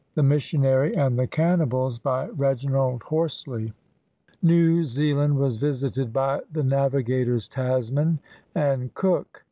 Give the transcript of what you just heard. THE MISSIONARY AND THE CANNIBALS BY REGINALD HORSLEY [New Zealand was visited by the navigators Tasman and Cook.